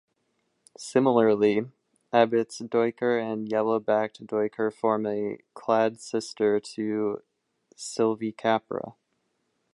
Similarly, Abbott's duiker and yellow-backed duiker form a clade sister to "Sylvicapra".